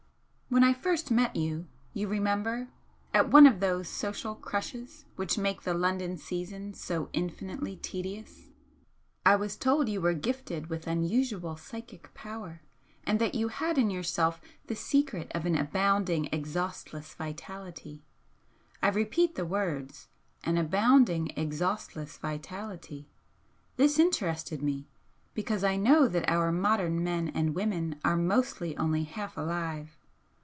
"When I first met you you remember? at one of those social 'crushes' which make the London season so infinitely tedious, I was told you were gifted with unusual psychic power, and that you had in yourself the secret of an abounding exhaustless vitality. I repeat the words an abounding exhaustless vitality. This interested me, because I know that our modern men and women are mostly only half alive.